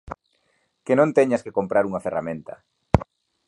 Que non teñas que comprar unha ferramenta.